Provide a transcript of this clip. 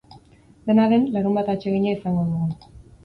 Dena den, larunbat atsegina izango dugu.